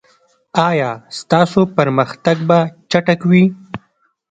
ایا ستاسو پرمختګ به چټک وي؟